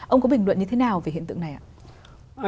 ông có bình luận như thế nào về hiện tượng này ạ